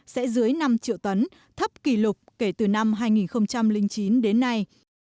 sẽ dưới năm triệu tấn thấp kỷ lục kể từ năm hai nghìn chín đến nay